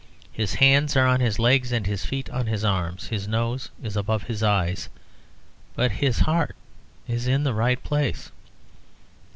His hands are on his legs and his feet on his arms, his nose is above his eyes, but his heart is in the right place.